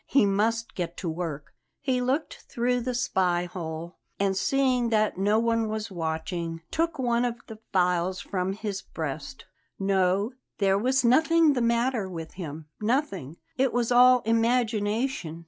He must get to work. He looked through the spy hole, and, seeing that no one was watching, took one of the files from his breast. No, there was nothing the matter with him nothing! It was all imagination.